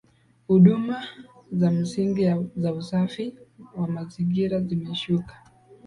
Huduma za msingi za usafi wa mazingira zimeshuka